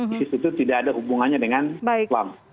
isis itu tidak ada hubungannya dengan islam